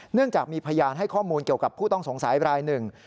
เนื่องจากมีพยานให้ข้อมูลเกี่ยวกับผู้ต้องสงสัยรายหนึ่ง